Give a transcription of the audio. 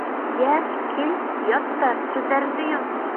Йә, кил, ят та, күҙҙәреңде йом!